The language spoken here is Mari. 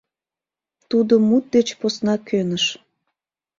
Тудо мут деч посна кӧныш.